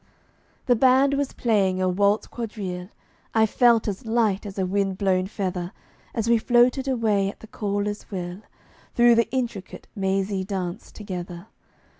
The band was playing a waltz quadrille, I felt as light as a wind blown feather, As we floated away, at the caller's will, Through the intricate, mazy dance together.